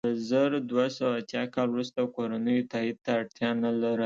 له زر دوه سوه اتیا کال وروسته کورنیو تایید ته اړتیا نه لرله.